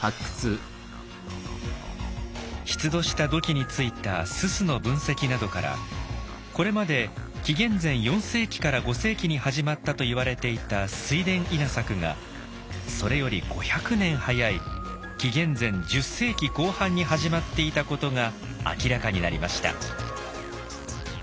出土した土器についた煤の分析などからこれまで紀元前４世紀から５世紀に始まったといわれていた水田稲作がそれより５００年早い紀元前１０世紀後半に始まっていたことが明らかになりました。